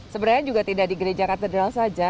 sebenarnya juga tidak di gereja katedral saja